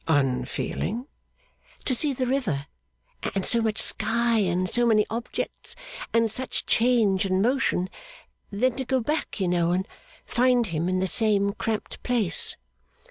'Unfeeling?' 'To see the river, and so much sky, and so many objects, and such change and motion. Then to go back, you know, and find him in the same cramped place.